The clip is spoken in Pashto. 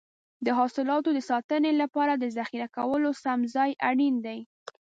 د حاصلاتو د ساتنې لپاره د ذخیره کولو سم ځای اړین دی.